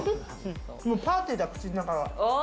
パーティーだ、口の中が。